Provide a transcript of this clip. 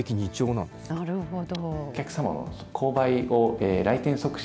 なるほど。